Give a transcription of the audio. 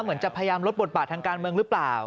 เหมือนจะพยายามลดบทบาททางการเมืองหรือเปล่า